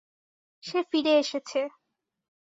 সে ফিরে এসেছে।